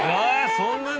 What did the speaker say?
そんなに？